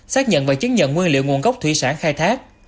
xác nhận và chứng nhận nguyên liệu nguồn gốc thủy sản khai thác